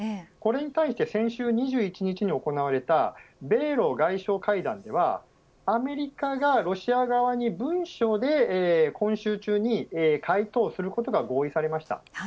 これに対し先週２１日に行われた米ロ外相会談ではアメリカがロシア側に文書で今週中に回答をすることが合意されました。